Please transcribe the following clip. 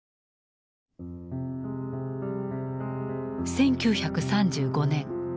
１９３５年。